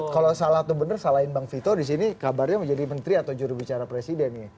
kalau salah atau benar salahin bang vito disini kabarnya menjadi menteri atau jurubicara presiden nih